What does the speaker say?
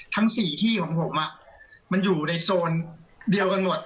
ทั้ง๔ที่ของผมมันอยู่ในโซนเดียวกันหมด